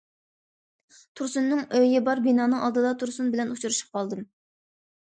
تۇرسۇننىڭ ئۆيى بار بىنانىڭ ئالدىدا تۇرسۇن بىلەن ئۇچرىشىپ قالدىم.